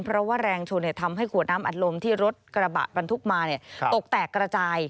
เพราะว่าแรงชนทำให้ขวดน้ำอัดลมที่รถกระบะบรรทุกมาตกแตกกระจาย